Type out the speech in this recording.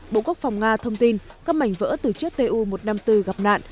bộ quốc phòng nga thông tin các mảnh vỡ từ chiếc tu một trăm năm mươi bốn gặp nạn